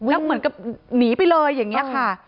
แล้วเหมือนกับหนีไปเลยอย่างนี้ค่ะ